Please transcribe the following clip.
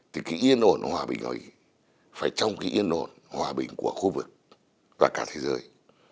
thì cái yên ổn hòa bình ở ý phải trong cái yên ổn hòa bình của khu vực và cả thế giới